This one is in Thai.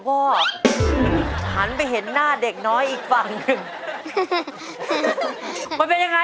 ว่าหน้าหัวใจ